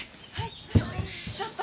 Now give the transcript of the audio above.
よいしょっと。